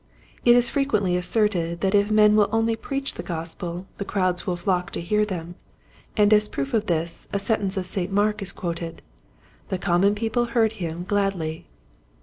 It is frequently asserted that if men will only preach the Gospel the crowds will flock to hear them, and as proof of this a sentence of St. Mark is quoted, "the common people heard him gladly."